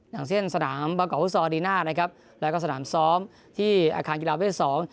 อย่างเช่นสนามเบาะเกาสอดีน่านะครับแล้วก็สนามซ้อมที่อาคารกีฬาวิทยาลัยสอง